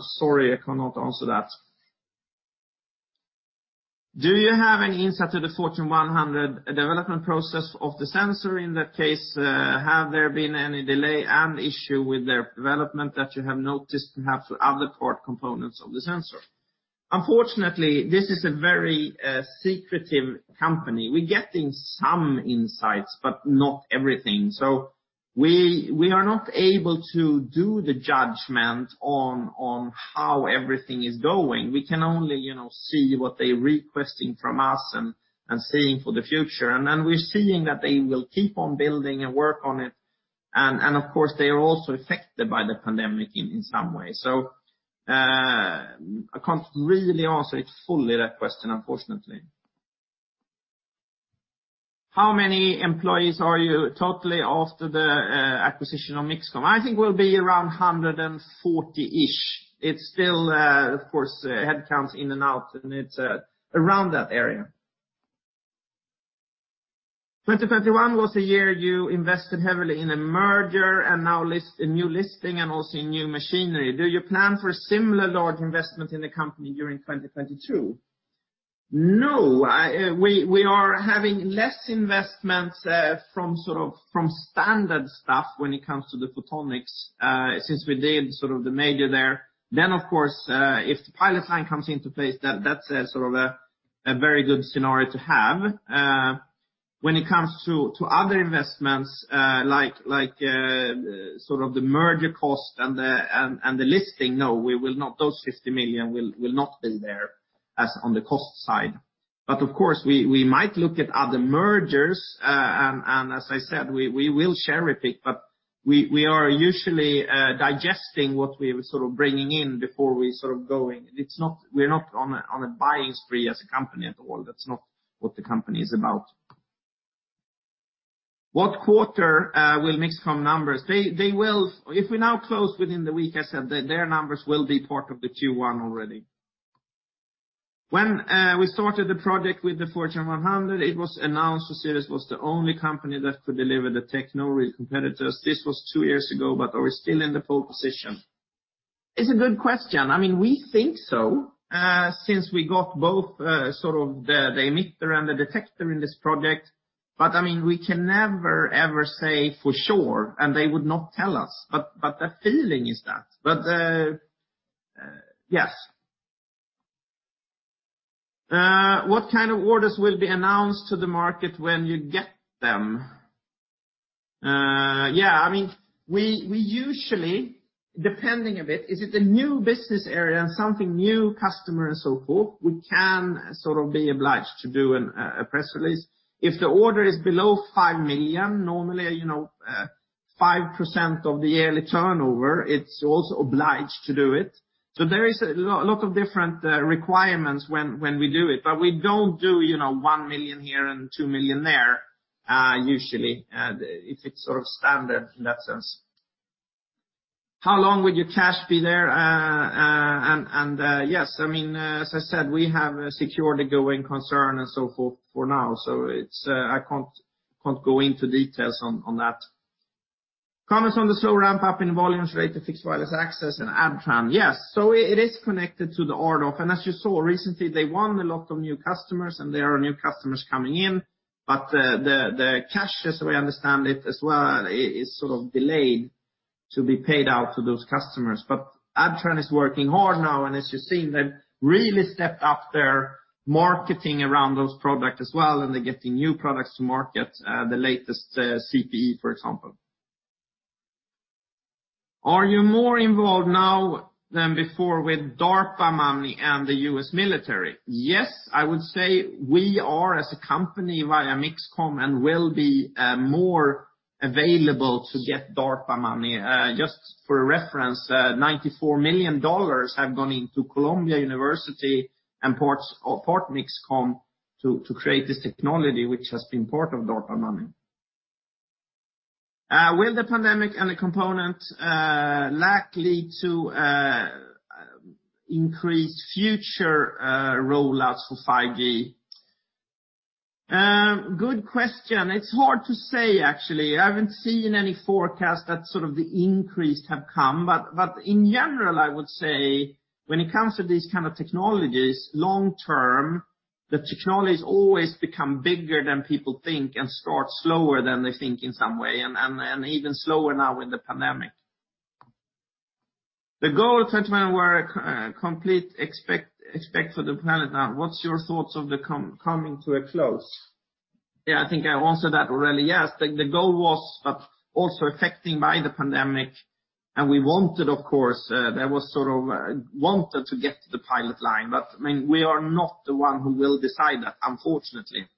Sorry, I cannot answer that. Do you have any insight to the Fortune 100 development process of the sensor? In that case, have there been any delay and issue with their development that you have noticed perhaps other part components of the sensor? Unfortunately, this is a very secretive company. We're getting some insights, but not everything. We are not able to do the judgment on how everything is going. We can only, you know, see what they're requesting from us and seeing for the future. We're seeing that they will keep on building and work on it. Of course, they are also affected by the pandemic in some way. I can't really answer it fully that question, unfortunately. How many employees are you total after the acquisition of MixComm? I think we'll be around 140-ish. It's still, of course, headcounts in and out, and it's around that area. 2021 was a year you invested heavily in a merger and a new listing and also in new machinery. Do you plan for similar large investment in the company during 2022? No. We are having less investments from sort of standard stuff when it comes to the photonics since we did sort of the major there. Of course, if the pilot line comes into place, that's a sort of a very good scenario to have. When it comes to other investments, like sort of the merger cost and the listing. No, we will not. Those 50 million will not be there as on the cost side. Of course, we might look at other mergers. And as I said, we will share repeat, but we are usually digesting what we are sort of bringing in before we sort of going. It's not we're not on a buying spree as a company at all. That's not what the company is about. What quarter will MixComm numbers? They will... If we now close within the week, I said that their numbers will be part of the Q1 already. When we started the project with the Fortune 100, it was announced that Sivers was the only company that could deliver the technology to competitors. This was two years ago, but are we still in the pole position? It's a good question. I mean, we think so, since we got both, sort of the emitter and the detector in this project. I mean, we can never, ever say for sure, and they would not tell us. The feeling is that. Yes. What kind of orders will be announced to the market when you get them? Yeah, I mean, we usually, depending a bit, is it a new business area and something new customer and so forth, we can sort of be obliged to do a press release. If the order is below 5 million, normally, you know, 5% of the yearly turnover, it's also obliged to do it. There is a lot of different requirements when we do it. But we don't do, you know, 1 million here and 2 million there, usually. If it's sort of standard in that sense. How long would your cash be there? Yes, I mean, as I said, we have secured a going concern and so forth for now, it's, I can't go into details on that. Comments on the slow ramp-up in volumes related to Fixed Wireless Access and Adtran. Yes. It is connected to the order. As you saw recently, they won a lot of new customers, and there are new customers coming in. The cash, as we understand it as well, it is sort of delayed to be paid out to those customers. Adtran is working hard now, and as you're seeing, they've really stepped up their marketing around those products as well, and they're getting new products to market, the latest CPE, for example. Are you more involved now than before with DARPA money and the U.S. military? Yes, I would say we are as a company via MixComm and will be more available to get DARPA money. Just for a reference, $94 million have gone into Columbia University and parts of MixComm to create this technology, which has been part of DARPA money. Will the pandemic and the component lack lead to increased future rollouts for 5G? Good question. It's hard to say, actually. I haven't seen any forecast that sort of the increase have come. In general, I would say when it comes to these kind of technologies, long term, the technologies always become bigger than people think and start slower than they think in some way, and even slower now with the pandemic. The goal settlement were complete, except for the pilot now. What's your thoughts of the coming to a close? Yeah, I think I answered that already. Yes. The goal was, but also affected by the pandemic. We wanted, of course, to get to the pilot line. I mean, we are not the one who will decide that, unfortunately.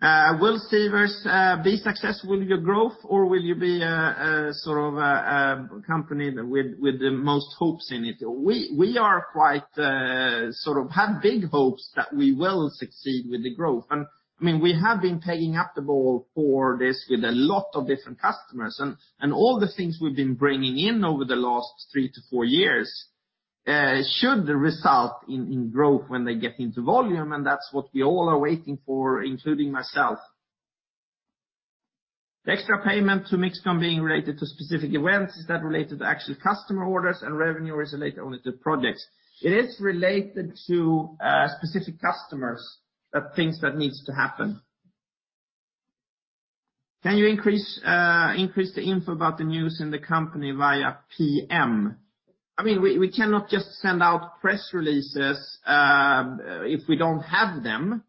Will Sivers be successful with your growth, or will you be a sort of a company with the most hopes in it? We have big hopes that we will succeed with the growth. I mean, we have been taking up the ball for this with a lot of different customers. All the things we've been bringing in over the last three to four years should result in growth when they get into volume, and that's what we all are waiting for, including myself. Extra payment to MixComm being related to specific events, is that related to actual customer orders and revenue, or is it related only to projects? It is related to specific customers that things that need to happen. Can you increase the info about the news in the company via PR? I mean, we cannot just send out press releases if we don't have them.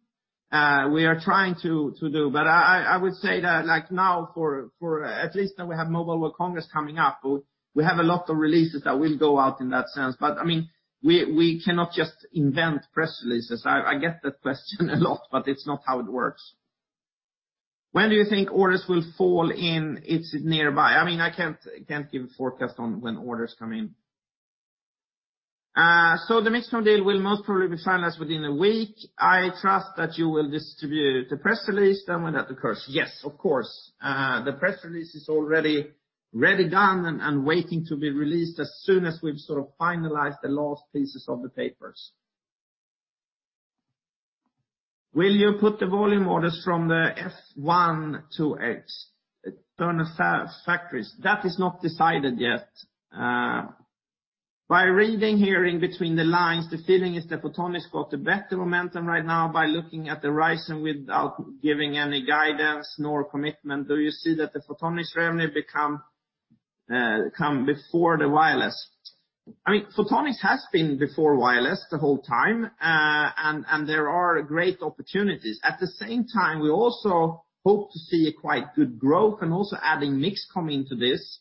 We are trying to do. I would say that, like now for at least now we have Mobile World Congress coming up. We have a lot of releases that will go out in that sense. I mean, we cannot just invent press releases. I get that question a lot, but it's not how it works. When do you think orders will fall in? It's nearby. I mean, I can't give a forecast on when orders come in. The MixComm deal will most probably be finalized within a week. I trust that you will distribute the press release then when that occurs. Yes, of course. The press release is already ready, done, and waiting to be released as soon as we've sort of finalized the last pieces of the papers. Will you put the volume orders from the F12X factories? That is not decided yet. By reading between the lines, the feeling is that Photonics got the better momentum right now by looking at the rise and without giving any guidance nor commitment. Do you see that the Photonics revenue come before the wireless. I mean, Photonics has been before wireless the whole time, and there are great opportunities. At the same time, we also hope to see a quite good growth and also adding MixComm into this.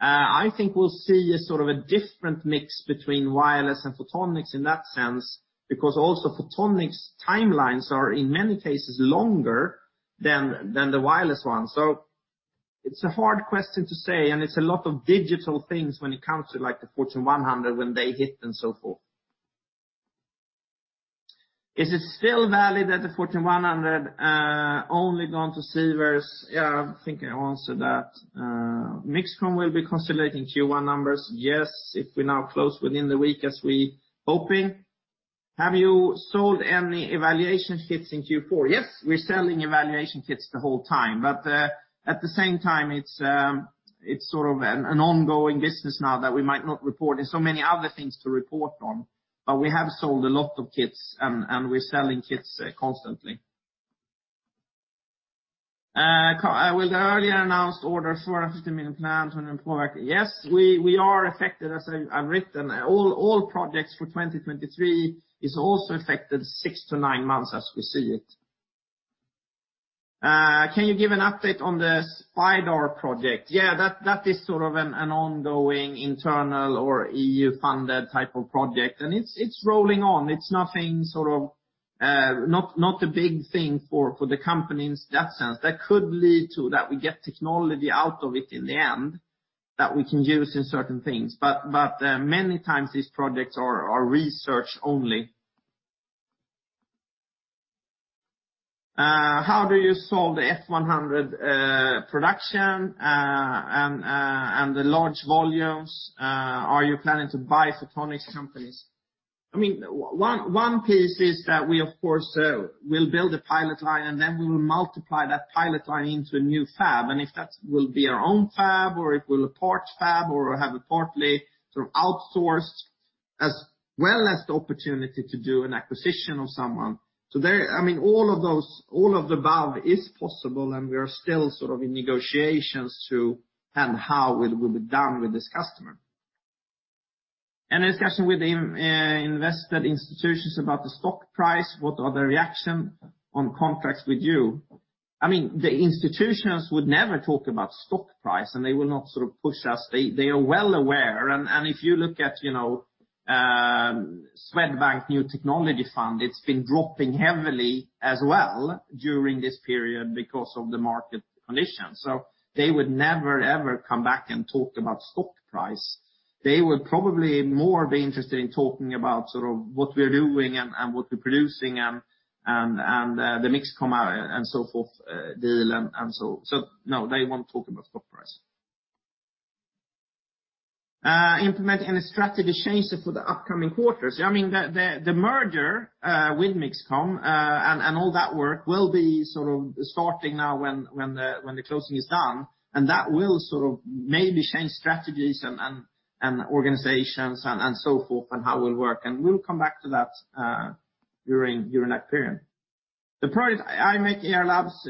I think we'll see a sort of a different mix between wireless and Photonics in that sense, because also Photonics timelines are, in many cases, longer than the wireless one. It's a hard question to say, and it's a lot of digital things when it comes to, like, the Fortune 100 when they hit and so forth. Is it still valid that the Fortune 100 only gone to Sivers? Yeah, I think I answered that. MixComm will be consolidating Q1 numbers. Yes. If we now close within the week as we open. Have you sold any evaluation kits in Q4? Yes, we're selling evaluation kits the whole time, but at the same time, it's sort of an ongoing business now that we might not report. There's so many other things to report on. We have sold a lot of kits and we're selling kits constantly. Will the earlier announced order for 50 million plans and employment? Yes, we are affected, as I've written. All projects for 2023 is also affected six to nine months as we see it. Can you give an update on the SPIDAR project? Yeah, that is sort of an ongoing internal or EU-funded type of project, and it's rolling on. It's nothing sort of not a big thing for the company in that sense. That could lead to that we get technology out of it in the end that we can use in certain things. Many times these projects are research only. How do you solve the Fortune 100 production and the large volumes? Are you planning to buy photonics companies? I mean, one piece is that we, of course, will build a pilot line, and then we will multiply that pilot line into a new fab. If that will be our own fab or it will be a partner fab or have a partly sort of outsourced, as well as the opportunity to do an acquisition of someone. I mean, all of those, all of the above is possible, and we are still sort of in negotiations as to how it will be done with this customer. Any discussion with the invested institutions about the stock price? What are the reactions to contracts with you? I mean, the institutions would never talk about stock price, and they will not sort of push us. They are well aware. If you look at, you know, Swedbank New Technology Fund, it's been dropping heavily as well during this period because of the market conditions. They would never, ever come back and talk about stock price. They would probably more be interested in talking about sort of what we're doing and what we're producing and the MixComm and so forth deal and so on. No, they won't talk about stock price. Implement any strategic changes for the upcoming quarters. I mean, the merger with MixComm and all that work will be sort of starting now when the closing is done, and that will sort of maybe change strategies and organizations and so forth, and how it will work. We'll come back to that during that period. The progress Ayar Labs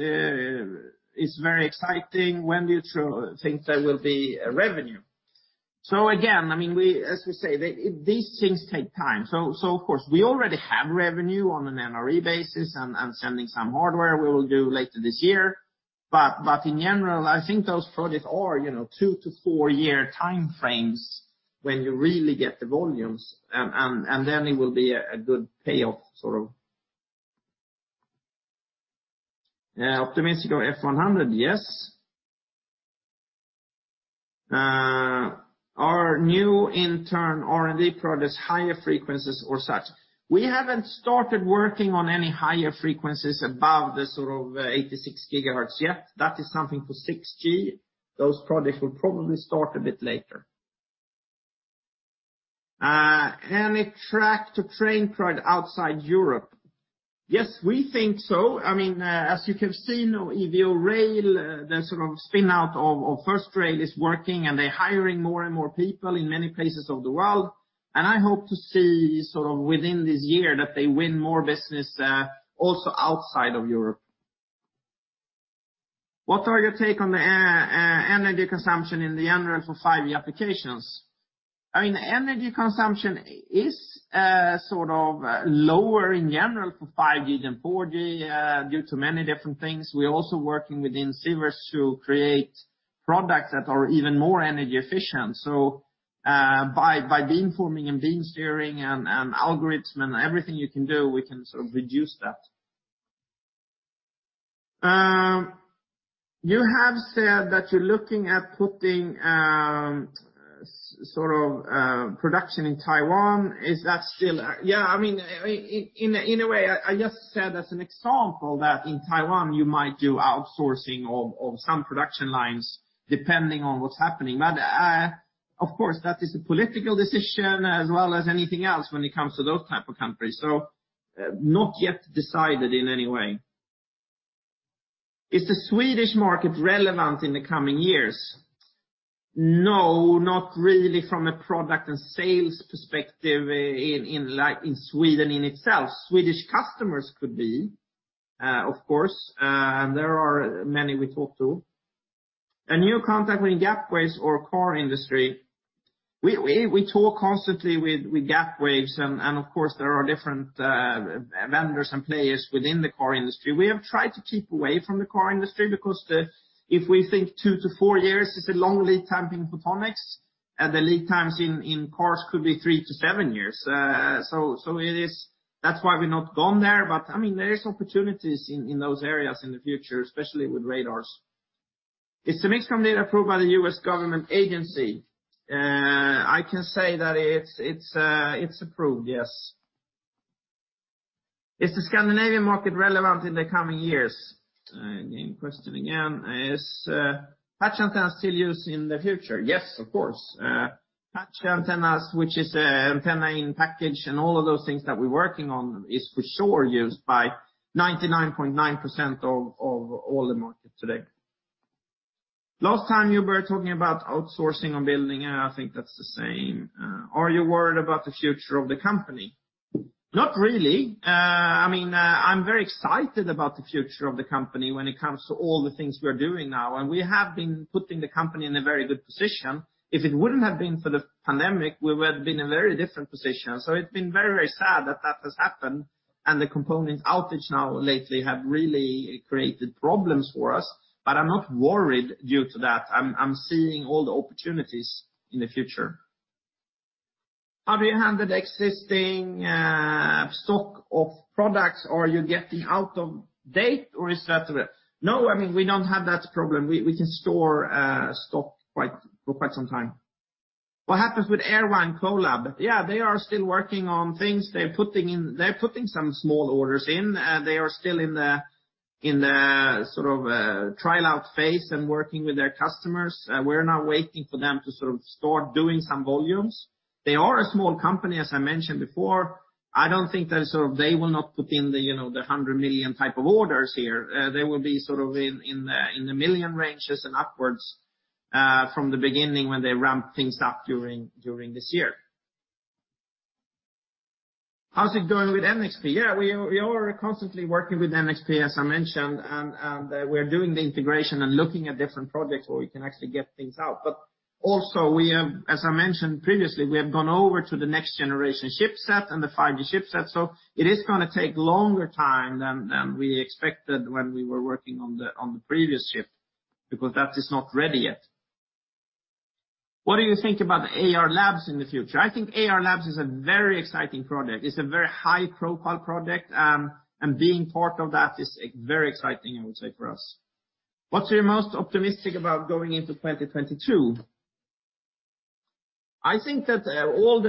is very exciting. When do you think there will be a revenue? So again, I mean, as we say, these things take time. So of course, we already have revenue on an NRE basis and sending some hardware we will do later this year. In general, I think those projects are, you know, two to four-year time frames when you really get the volumes, and then it will be a good payoff, sort of. Yeah, optimistic on Fortune 100. Yes. Are new internal R&D projects higher frequencies or such? We haven't started working on any higher frequencies above the sort of 86 GHz yet. That is something for 6G. Those projects will probably start a bit later. Any track-to-train product outside Europe? Yes, we think so. I mean, as you can see, now, evo-rail, the sort of spin-out of First Rail is working, and they're hiring more and more people in many places of the world. I hope to see sort of within this year that they win more business, also outside of Europe. What is your take on the energy consumption in general for 5G applications? I mean, energy consumption is sort of lower in general for 5G than 4G due to many different things. We're also working within Sivers to create products that are even more energy efficient. By beamforming and beam steering and algorithms and everything you can do, we can sort of reduce that. You have said that you're looking at putting sort of production in Taiwan. Is that still? Yeah, I mean, in a way, I just said as an example that in Taiwan, you might do outsourcing of some production lines depending on what's happening. Of course, that is a political decision as well as anything else when it comes to those type of countries. Not yet decided in any way. Is the Swedish market relevant in the coming years? No, not really from a product and sales perspective in Sweden in itself. Swedish customers could be. Of course. There are many we talk to. A new contact with Gapwaves or car industry. We talk constantly with Gapwaves and of course there are different vendors and players within the car industry. We have tried to keep away from the car industry because if we think two to four years is a long lead time in photonics, and the lead times in cars could be three to seven years. That's why we've not gone there. I mean, there is opportunities in those areas in the future, especially with radars. Is the MixComm data approved by the U.S. government agency? I can say that it's approved, yes. Is the Scandinavian market relevant in the coming years? Again. Is patch antenna still used in the future? Yes, of course. Patch antennas, which is an Antenna in Package and all of those things that we're working on is for sure used by 99.9% of all the market today. Last time you were talking about outsourcing and building. I think that's the same. Are you worried about the future of the company? Not really. I mean, I'm very excited about the future of the company when it comes to all the things we are doing now. We have been putting the company in a very good position. If it wouldn't have been for the pandemic, we would have been in a very different position. It's been very, very sad that that has happened, and the component outage now lately have really created problems for us. I'm not worried due to that. I'm seeing all the opportunities in the future. How do you handle the existing stock of products? Are you getting out of date or is that the— No, I mean, we don't have that problem. We can store stock for quite some time. What happens with Airvine collab? Yeah, they are still working on things. They're putting some small orders in. They are still in the sort of trial out phase and working with their customers. We're now waiting for them to sort of start doing some volumes. They are a small company, as I mentioned before. I don't think that they will not put in the, you know, the 100 million type of orders here. They will be sort of in the million ranges and upwards from the beginning when they ramp things up during this year. How's it going with NXP? Yeah, we are constantly working with NXP, as I mentioned, and we're doing the integration and looking at different projects where we can actually get things out. We have, as I mentioned previously, gone over to the next generation chipset and the 5G chipset. It is gonna take a longer time than we expected when we were working on the previous chipset, because that is not ready yet. What do you think about Ayar Labs in the future? I think Ayar Labs is a very exciting project. It's a very high-profile project, and being part of that is very exciting, I would say, for us. What's your most optimistic about going into 2022? I think that all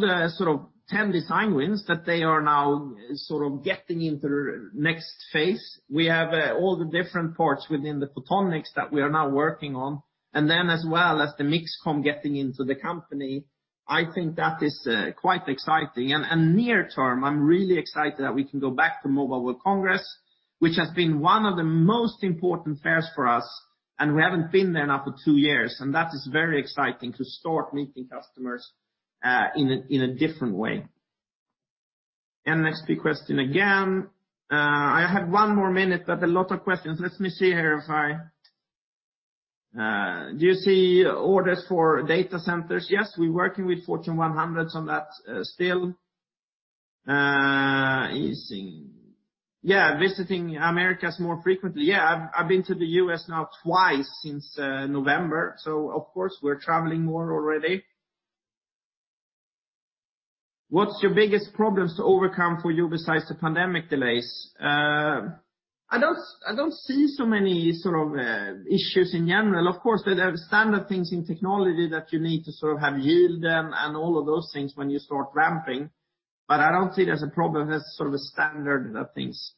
the sort of 10 design wins that they are now sort of getting into the next phase. We have all the different parts within the photonics that we are now working on. Then as well as the MixComm getting into the company, I think that is quite exciting. Near term, I'm really excited that we can go back to Mobile World Congress, which has been one of the most important fairs for us, and we haven't been there now for two years. That is very exciting to start meeting customers in a different way. NXP question again. I have one more minute, but a lot of questions. Do you see orders for data centers? Yes, we're working with Fortune 100s on that, still. Visiting America more frequently. Yeah, I've been to the U.S. now twice since November, so of course, we're traveling more already. What's your biggest problems to overcome for you besides the pandemic delays? I don't see so many sort of issues in general. Of course, there are standard things in technology that you need to sort of have yields and all of those things when you start ramping. I don't see it as a problem. That's sort of standard of things.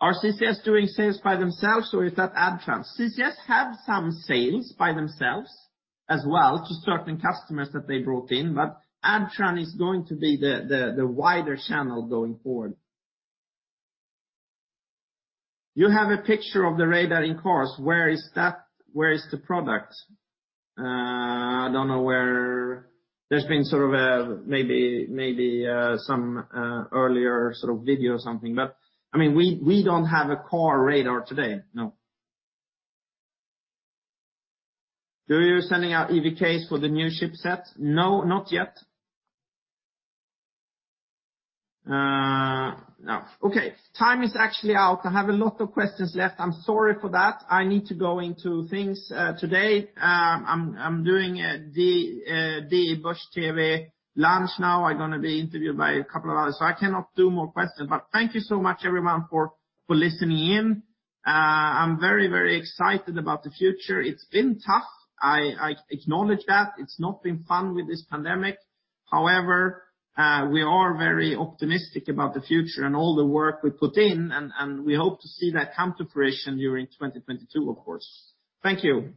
Are CCS doing sales by themselves, or is that Adtran? CCS have some sales by themselves as well to certain customers that they brought in. Adtran is going to be the wider channel going forward. You have a picture of the radar in cars. Where is that? Where is the product? I don't know where. There's been sort of maybe some earlier sort of video or something. I mean, we don't have a car radar today, no. Are you sending out EVKs for the new chipset? No, not yet. No. Okay, time is actually out. I have a lot of questions left. I'm sorry for that. I need to go into things today. I'm doing the Börs-TV launch now. I'm gonna be interviewed by a couple of others. I cannot do more questions. Thank you so much everyone for listening in. I'm very, very excited about the future. It's been tough. I acknowledge that. It's not been fun with this pandemic. However, we are very optimistic about the future and all the work we put in, and we hope to see that come to fruition during 2022, of course. Thank you.